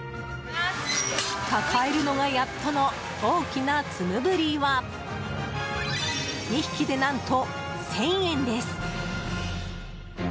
抱えるのがやっとの大きなツムブリは２匹で何と、１０００円です。